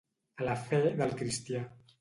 A la fe del cristià.